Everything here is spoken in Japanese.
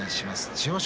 千代翔